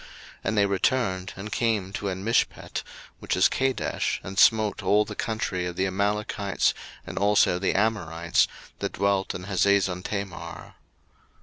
01:014:007 And they returned, and came to Enmishpat, which is Kadesh, and smote all the country of the Amalekites, and also the Amorites, that dwelt in Hazezontamar.